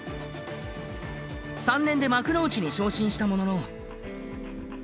３年で幕内に昇進したものの。